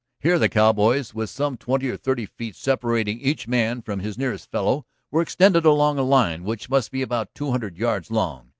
Here the cowboys, with some twenty or thirty feet separating each man from his nearest fellow, were extended along a line which must be about two hundred yards long.